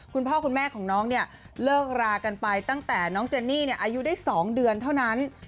คุณพ่อคุณแม่ของน้องเนี่ยเลิกรากันไปตั้งแต่น้องเจนนี่อายุได้๒เดือนเท่านั้น